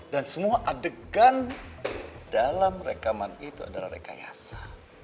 dan semua adegan dalam rekaman itu adalah rekayasa